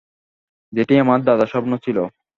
যেটি আমার দাদার স্বপ্ন ছিলো।